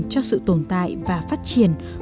cho sự tồn tại và phát triển